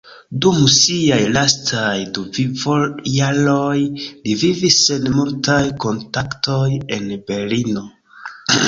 Dum siaj lastaj du vivojaroj li vivis sen multaj kontaktoj en Berlino.